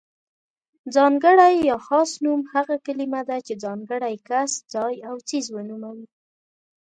ځانګړی يا خاص نوم هغه کلمه ده چې ځانګړی کس، ځای او څیز ونوموي.